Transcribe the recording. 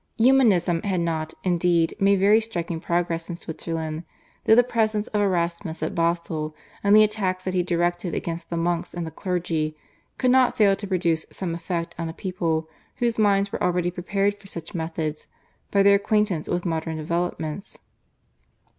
Humanism had not, indeed, made very striking progress in Switzerland, though the presence of Erasmus at Basle, and the attacks that he directed against the monks and the clergy, could not fail to produce some effect on a people whose minds were already prepared for such methods by their acquaintance with modern developments.